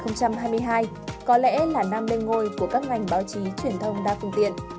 năm hai nghìn hai mươi hai có lẽ là năm lên ngôi của các ngành báo chí truyền thông đa phương tiện